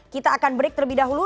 kita akan break terlebih dahulu